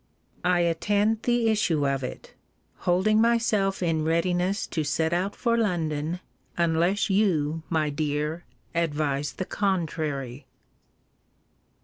I attend the issue of it; holding myself in readiness to set out for London, unless you, my dear, advise the contrary.